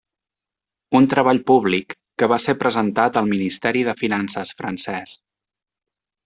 Un treball públic, que va ser presentat al Ministeri de Finances francès.